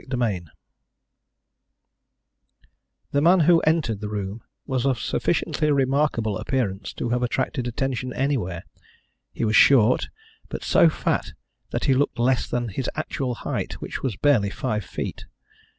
CHAPTER VIII The man who entered the room was of sufficiently remarkable appearance to have attracted attention anywhere. He was short, but so fat that he looked less than his actual height, which was barely five feet.